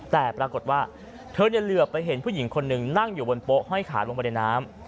แต่ปรากฏว่าเธอเหลือไปเห็นผู้หญิงคนหนึ่งนั่งอยู่บนโป๊ห้อยขาลงไปในน้ำ